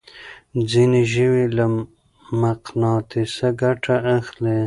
ځينې ژوي له مقناطيسه ګټه اخلي.